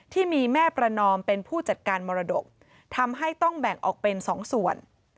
ที่มีแม่ประนอมเป็นผู้จัดการมรดกทำให้ต้องแบ่งออกเป็น๒ส่วน